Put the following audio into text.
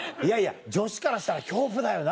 女子からしたら恐怖だよな。